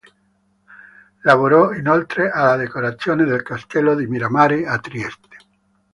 Lavorò inoltre alla decorazione del Castello di Miramare, a Trieste.